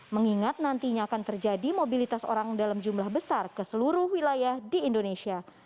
mengingat nantinya akan terjadi mobilitas orang dalam jumlah besar ke seluruh wilayah di indonesia